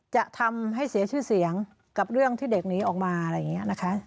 จะทำให้เสียชื่อเสียงกับเรื่องที่เด็กหนีออกมาอะไรอย่างนี้นะคะ